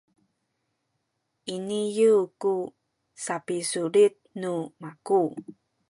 iniyu ku sapisulit nu maku